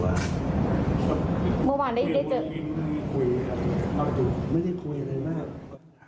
ไม่ได้คุยไม่ได้คุยอะไรมาก